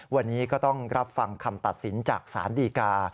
วันนี้ก็ต้องรับฟังคำตัดสินจากสารดีกา